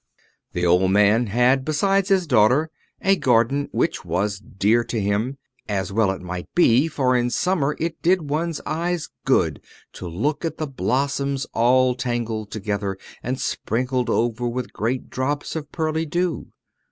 The old man had, besides his daughter, a garden, which was dear to him; and well it might be, for in summer it did one's eyes good to look at the blossoms all tangled together, and sprinkled over with great drops of pearly dew.